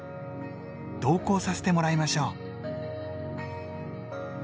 同行させてもらいましょう。